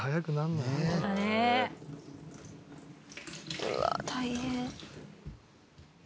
うわあ大変。